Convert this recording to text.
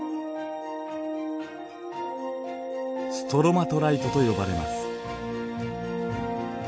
ストロマトライトと呼ばれます。